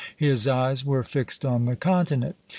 his eyes were fixed on the continent.